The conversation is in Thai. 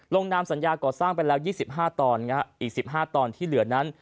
ลงนามสัญญาก่อสร้างไปแล้ว๒๕ตอนอีก๑๕ตอนที่เหลือนั้น